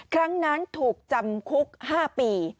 ครั้งนั้นถูกจำคุก๕ปี